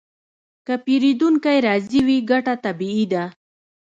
که پیرودونکی راضي وي، ګټه طبیعي ده.